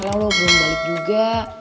lalu belum balik juga